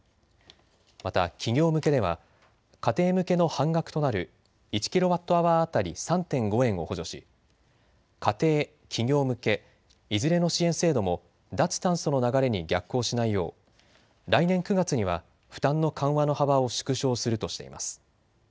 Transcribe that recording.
また企業向けでは家庭向けの半額となる１キロワットアワー当たり３．５円を補助し家庭、企業向けいずれの支援制度も脱炭素の流れに逆行しないよう来年９月には負担の緩和の幅を縮小するとしています。